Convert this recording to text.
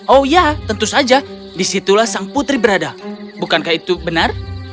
oh ya tentu saja disitulah sang putri berada bukankah itu benar